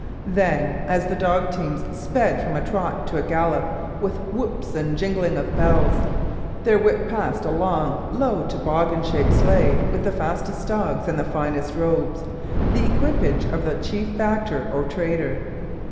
Then, as the dog teams sped from a trot to a gallop with whoops and jingling of bells, there whipped past a long, low, toboggan shaped sleigh with the fastest dogs and the finest robes the equipage of the chief factor or trader.